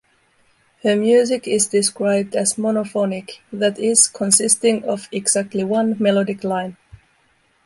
Her music is described as monophonic, that is, consisting of exactly one melodic line.